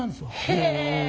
へえ！